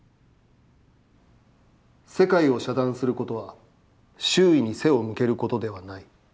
「世界を遮断することは、周囲に背を向けることではない。